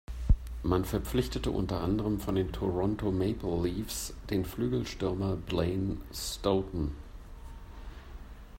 Man verpflichtete unter anderem von den Toronto Maple Leafs den Flügelstürmer Blaine Stoughton.